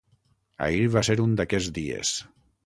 Ahir va ser un d’aquests dies.